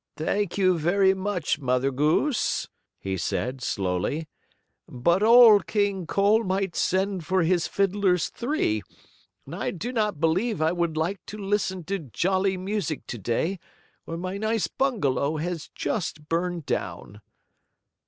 "Thank you very much, Mother Goose," he said, slowly. "But Old King Cole might send for his fiddlers three, and I do not believe I would like to listen to jolly music to day when my nice bungalow has just burned down."